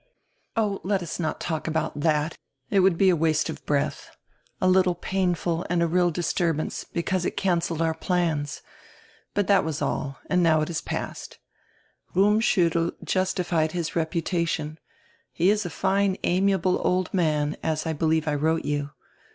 "Oh, let us not talk about diat; it would be a waste of breadi — A littie painful and a real disturbance, because it cancelled our plans. But diat was all, and now it is past. Rummschuttel justified his reputation; he is a fine, amiable old man, as I believe I wrote you.